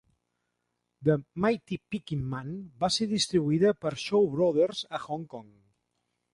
"The Mighty Peking Man" va ser distribuïda per Shaw Brothers a Hong Kong.